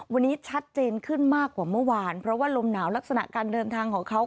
วันนี้ชัดเจนขึ้นมากกว่าเมื่อวานเพราะว่าลมหนาวลักษณะการเดินทางของเขา